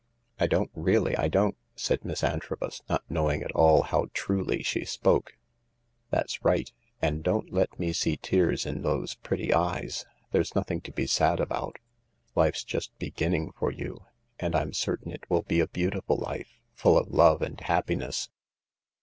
" I don't, really I don't," said Miss Antrobus, not knowing at all how truly she spoke. " That's right ; and don't let me see tears in those pretty eyes — there's nothing to be sad about. Life's just beginning for you, and I'm certain it will be a beautiful life, full of love and happiness."